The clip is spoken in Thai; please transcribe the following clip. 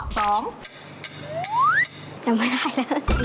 ยังบ่นไหลแล้ว